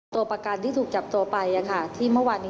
ตัวประกันที่ถูกจับตัวไปที่เมื่อวานนี้